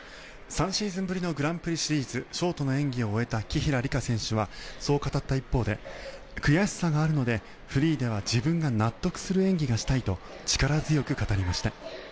３シーズンぶりにショートの演技を終えた紀平梨花選手はそう語った一方で悔しさがあるのでフリーでは自分が納得する演技がしたいと力強く語りました。